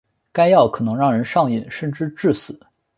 该药可能让人上瘾甚至致死。